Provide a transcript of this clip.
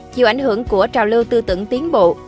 chiều ảnh hưởng của trào lưu tư tưởng tiến bộ